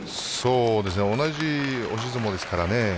同じ押し相撲ですからね。